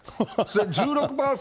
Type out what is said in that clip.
１６％